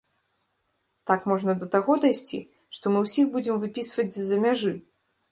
Так можна да таго дайсці, што мы ўсіх будзем выпісваць з-за мяжы!